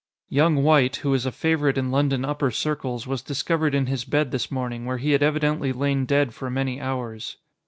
Young White, who is a favorite in London upper circles, was discovered in his bed this morning, where he had evidently lain dead for many hours.